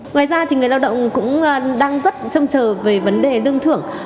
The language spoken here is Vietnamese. ngoài ra thì người lao động cũng đang rất trông chờ về vấn đề đơn thưởng